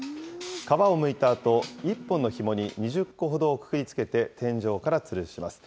皮をむいたあと、１本のひもに２０個ほどをくくりつけて天井からつるします。